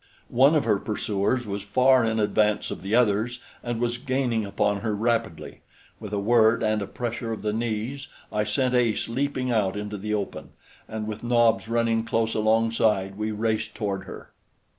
One of her pursuers was far in advance of the others, and was gaining upon her rapidly. With a word and a pressure of the knees I sent Ace leaping out into the open, and with Nobs running close alongside, we raced toward her.